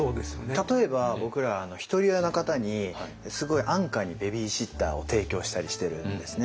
例えば僕らひとり親の方にすごい安価にベビーシッターを提供したりしてるんですね